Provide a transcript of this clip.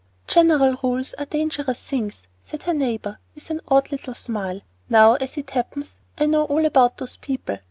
"General rules are dangerous things," said her neighbor, with an odd little smile. "Now, as it happens, I know all about those people.